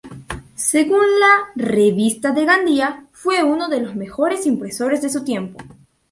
Según la "Revista de Gandía", fue uno de los mejores impresores de su tiempo.